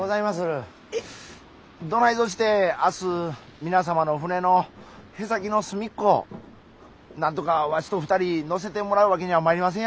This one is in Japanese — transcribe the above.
どないぞして明日皆様の船の舳先の隅っこなんとかわしと２人乗せてもらうわけにはまいりませんやろか。